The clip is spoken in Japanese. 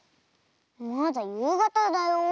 まだゆうがただよ。